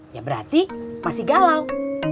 ya berarti masih galau